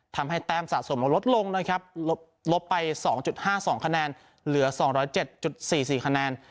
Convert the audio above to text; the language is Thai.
ทำให้แต้มสะสมเราลดลงนะครับลบไป๒๕๒คะแนนเหลือ๒๐๗๔๔คะแนน